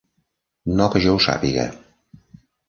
No que jo ho sàpiga.